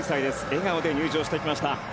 笑顔で入場してきました。